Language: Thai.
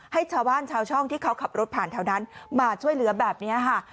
ให้ชาวบ้านชาวช่องที่เขาขับรถผ่านแถวนั้นมาช่วยเหลือแบบนี้ค่ะ